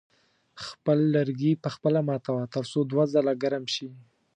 خپل لرګي په خپله ماتوه تر څو دوه ځله ګرم شي.